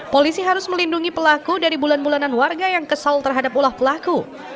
polisi harus melindungi pelaku dari bulan bulanan warga yang kesal terhadap ulah pelaku